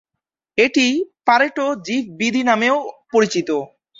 এটি পারেটো-জিফ বিধি নামেও পরিচিত।